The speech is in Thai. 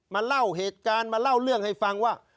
เล่าเหตุการณ์มาเล่าเรื่องให้ฟังว่า